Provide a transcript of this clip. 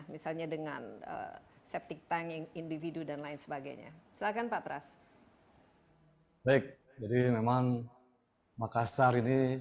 misalnya dengan septic tanking individu dan lain sebagainya so clan pak pras baik jadi memang makasar